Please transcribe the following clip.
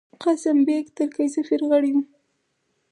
قاسم بېګ، ترکی سفیر، غړی وو.